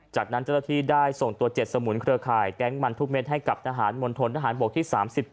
จากนั้นเจ้าหน้าที่ได้ส่งตัว๗สมุนเครือข่ายแก๊งมันทุกเม็ดให้กับทหารมณฑนทหารบกที่๓๗